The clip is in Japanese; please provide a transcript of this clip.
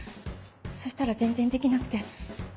そしたら全然できなくて。